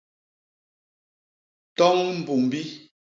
Toñ mbumbi.